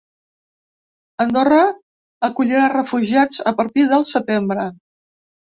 Andorra acollirà refugiats a partir del setembre.